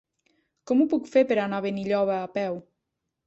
Com ho puc fer per anar a Benilloba a peu?